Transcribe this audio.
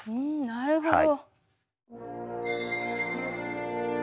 なるほど！